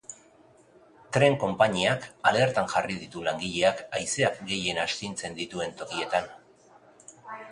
Tren konpainiak alertan jarri ditu langileak haizeak gehien astintzen dituen tokietan.